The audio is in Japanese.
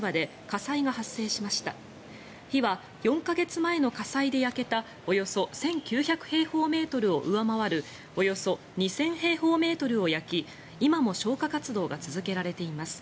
火は４か月前の火災で焼けたおよそ１９００平方メートルを上回るおよそ２０００平方メートルを焼き今も消火活動が続けられています。